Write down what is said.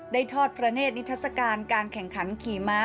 ทอดพระเนธนิทัศกาลการแข่งขันขี่ม้า